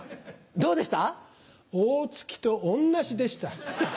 どうでした？